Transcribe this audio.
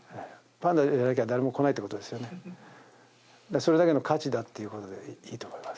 それだけの価値だってことでいいと思います。